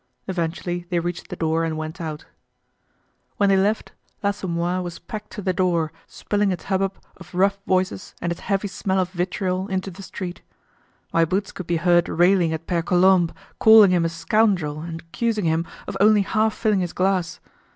Eventually they reached the door and went out. When they left, l'Assommoir was packed to the door, spilling its hubbub of rough voices and its heavy smell of vitriol into the street. My Boots could be heard railing at Pere Colombe, calling him a scoundrel and accusing him of only half filling his glass.